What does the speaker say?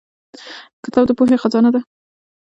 • کتاب د پوهې خزانه ده.